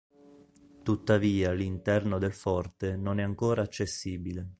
Tuttavia l'interno del forte non è ancora accessibile.